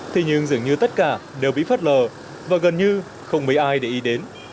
thế nhưng dường như tất cả đều bị phất lờ và gần như không mấy ai để ý đến